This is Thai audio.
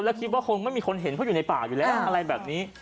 แล้วคิดว่าคงไม่มีคนเห็นเพราะอยู่ในป่าอยู่แล้วอะไรแบบนี้